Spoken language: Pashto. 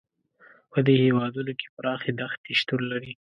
په دې هېوادونو کې پراخې دښتې شتون لري.